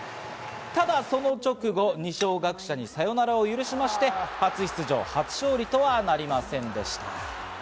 ただその直後、二松学舎にサヨナラを許しまして、初出場、初勝利とはなりませんでした。